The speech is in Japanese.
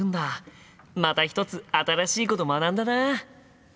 また一つ新しいこと学んだな！